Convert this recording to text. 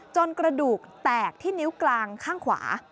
กระดูกแตกที่นิ้วกลางข้างขวา